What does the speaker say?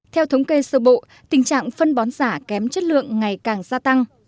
theo thống kê sơ bộ tình trạng phân bón giả kém chất lượng ngày càng gia tăng